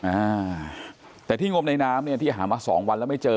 อ่าแต่ที่งมในน้ำเนี่ยที่หามาสองวันแล้วไม่เจอ